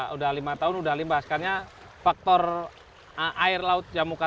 perbaikan tanggul pun dikebut karena air laut semakin mendekati permukiman warga